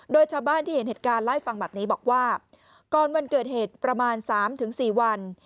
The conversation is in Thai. โดยชาบ้านที่เห็นเหตุการณ์ไล่ฟังบัตรนี้บอกว่าก่อนวันเกิดเหตุประมาณสามถึงสี่วัน